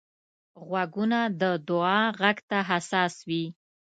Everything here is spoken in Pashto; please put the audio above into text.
غوږونه د دعا غږ ته حساس وي